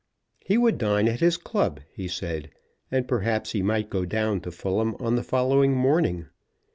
He would dine at his club, he said, and perhaps he might go down to Fulham on the following morning.